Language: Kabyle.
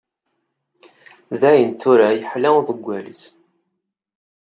Dayen tura, yeḥla uḍeggal-is.